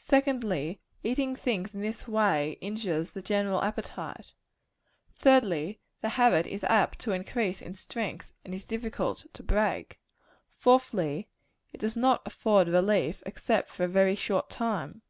Secondly eating things in this way injures the general appetite. Thirdly the habit is apt to increase in strength, and is difficult to break. Fourthly it does not afford relief, except for a very short time.